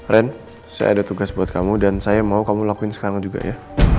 ren saya ada tugas buat kamu dan saya mau kamu lakuin sekarang juga ya